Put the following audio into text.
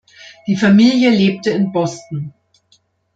Die Familie lebte in Boston.